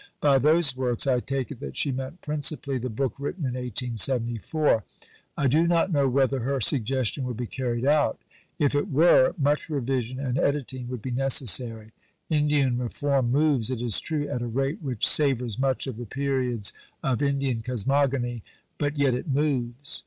By "those works" I take it that she meant principally the book written in 1874. I do not know whether her suggestion will be carried out. If it were, much revision and editing would be necessary. Indian reform moves, it is true, at a rate which "savours much of the periods of Indian cosmogony"; but yet it moves.